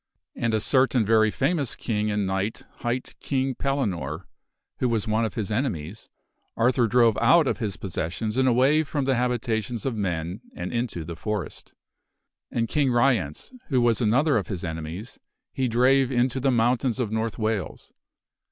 And a certain very famous king and knight court hight King Pellinore (who was one of his enemies) Arthur drove out of his possessions and away from the habitations of men and into the forest. And King Ryence (who was another of his enemies) he drave into the mountains of North Wales.